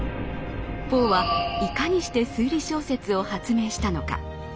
ポーはいかにして推理小説を発明したのか。